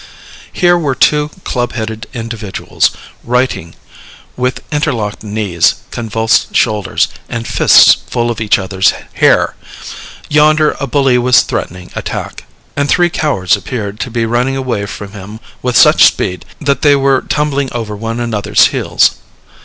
Here were two club headed individuals righting, with interlocked knees, convulsed shoulders, and fists full of each other's hair; yonder a bully was threatening attack, and three cowards appeared to be running away from him with such speed that they were tumbling over one another's heels.